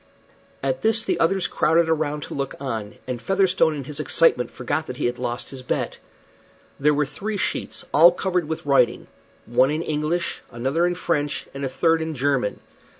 At this the others crowded around to look on, and Featherstone in his excitement forgot that he had lost his bet. There were three sheets, all covered with writing one in English, another in French, and a third in German.